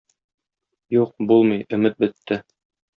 Юк, булмый, өмет бетте!